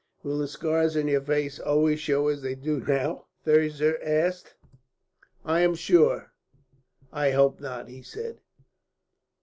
"Will the scars on your face always show as they do now?" Thirza asked. "I am sure I hope not," he said.